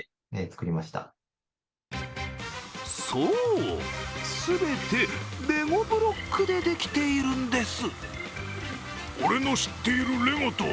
そう、全てレゴブロックでできているんです。